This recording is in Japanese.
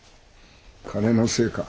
金のせいか？